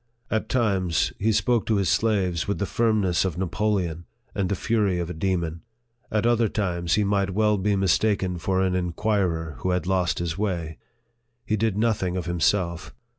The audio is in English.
At times, he spoke to his slaves with the firmness of Na poleon and the fury of a demon ; at other times, he might well be mistaken for an inquirer who had lost his way. He did nothing of himself.